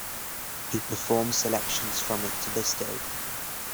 He performs selections from it to this day.